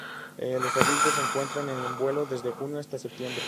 Los adultos se encuentran en vuelo desde junio hasta septiembre.